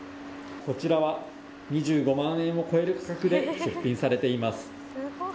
こちらは２５万円を超える価格で出品されています。